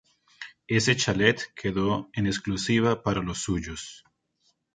Ese chalet quedó en exclusiva para los suyos.